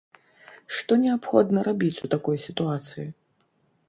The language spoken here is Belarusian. Што неабходна рабіць у такой сітуацыі?